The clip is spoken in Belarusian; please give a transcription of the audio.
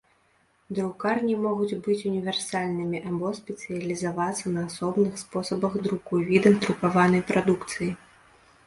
Друкарні могуць быць універсальнымі або спецыялізавацца на асобных спосабах друку і відах друкаванай прадукцыі.